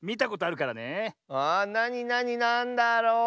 あなになになんだろう？